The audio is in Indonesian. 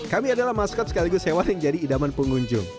kami adalah maskot sekaligus hewan yang jadi idaman pengunjung